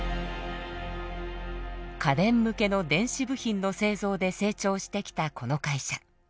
家電向けの電子部品の製造で成長してきたこの会社。